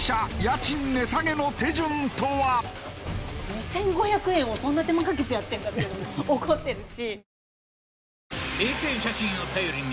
２５００円をそんな手間かけてやってるんだっていうのも怒ってるし。